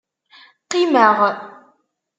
Qimeɣ.